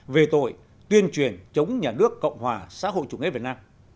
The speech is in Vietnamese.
về tội tuyên truyền chống nhà nước cộng hòa xã hội chủ nghĩa việt nam